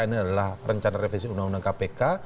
ini adalah rencana revisi undang undang kpk